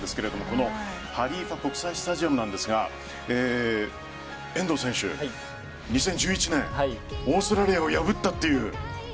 このハリーファ国際スタジアムなんですが遠藤選手、２０１１年オーストラリアを破ったという。